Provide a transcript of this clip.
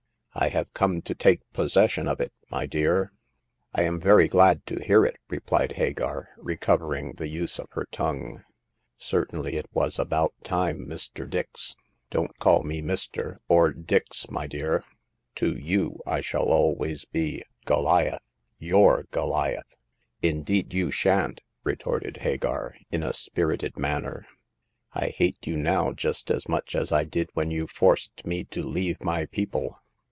I have come to take possession of it, my dear.'* I am very glad to hear it," replied Hagar, recovering the use of her tongue. "Certainly it was about time, Mr. Dix." '* Don't call me Mister, or Dix, my dear ! To you I shall always be Goliath— your Goliath." Indeed you shan't !" retorted Hagar, in a spirited manner. I hate you now just as much as I did when you forced me to leave my people."